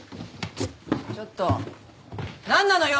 ちょっと何なのよ！？